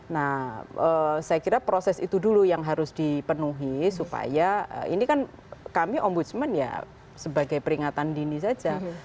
nah saya kira proses itu dulu yang harus dipenuhi supaya ini kan kami ombudsman ya sebagai peringatan dini saja